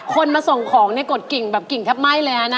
คนมาส่งของกดกิ่งแบบกิ่งกี๊ยกู้นเลยนะ